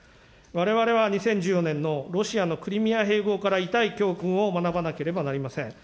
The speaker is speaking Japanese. われわれは２０１４年のロシアのクリミア併合から痛い教訓を学ばなければなりません。